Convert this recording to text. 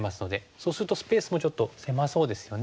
そうするとスペースもちょっと狭そうですよね。